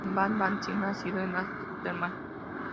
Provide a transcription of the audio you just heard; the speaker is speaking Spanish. Van Dantzig nació en Ámsterdam.